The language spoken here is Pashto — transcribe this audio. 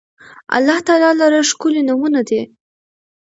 الله تعالی لره ښکلي نومونه دي